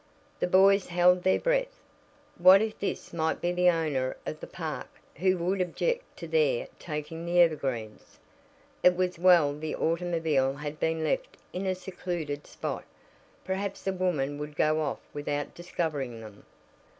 The boys held their breath. What if this might be the owner of the park, who would object to their taking the evergreens? It was well the automobile had been left in a secluded spot. Perhaps the woman would go off without discovering them.